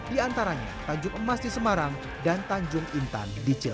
yaitu yang aktual disitulah penutup serangkada maudpla dan terada personil terpernikan dan dolacarto